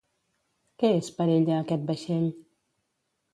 Què és per ella aquest vaixell?